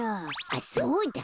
あっそうだ！